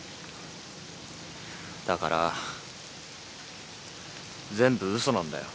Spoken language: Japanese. だから全部嘘なんだよ。